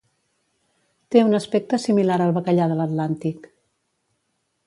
Té un aspecte similar al bacallà de l'Atlàntic.